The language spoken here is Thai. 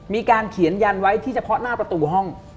มีการเขียนยันไว้ที่เฉพาะหน้าประตูห้อง